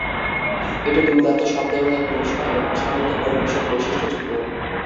এটি দুর্দান্ত শব্দ এবং একটি উষ্ণ এবং স্বাগত পরিবেশক বৈশিষ্ট্যযুক্ত।